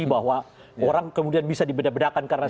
bahwa orang kemudian bisa dibedakan